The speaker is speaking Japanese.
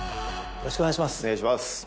よろしくお願いします。